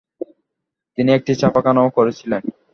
তিনি একটি ছাপাখানাও করেছিলেন।